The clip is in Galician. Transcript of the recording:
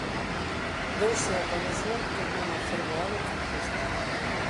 Deuse a coñecer como un afervoado carlista.